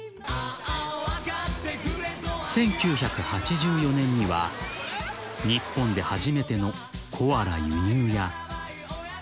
［１９８４年には日本で初めてのコアラ輸入や］